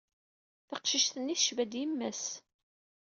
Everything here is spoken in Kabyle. Taqcict-nni tecba-d yemma-s.